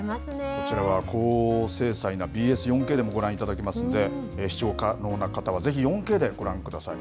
こちらは高精細なＢＳ４Ｋでもご覧いただけますので視聴可能の方はぜひ４Ｋでご覧ください。